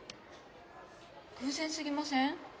偶然すぎません？